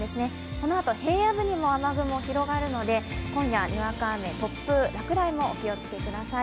このあと平野部にも雨雲広がるので、今夜にわか雨、突風、落雷にも注意してください。